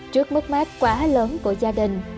trước mức mát quá lớn của gia đình